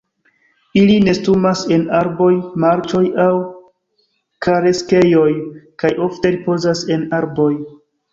Ili nestumas en arboj, marĉoj aŭ kareksejoj, kaj ofte ripozas en arboj.